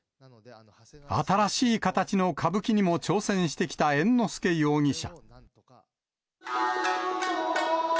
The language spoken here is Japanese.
新しい形の歌舞伎にも挑戦してきた猿之助容疑者。